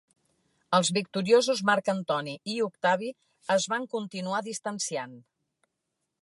Els victoriosos Marc Antoni i Octavi es van continuar distanciant.